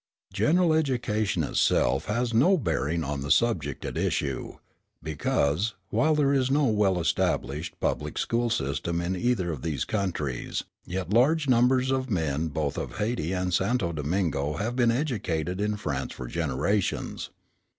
General education itself has no bearing on the subject at issue, because, while there is no well established public school system in either of these countries, yet large numbers of men of both Hayti and Santo Domingo have been educated in France for generations.